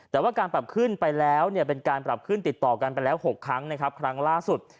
แต่ว่าการปรับขึ้นไปแล้วเนี่ยเป็นการปรับขึ้นติดต่อกันไปแล้ว๖ครั้งนะครับครั้งล่าสุด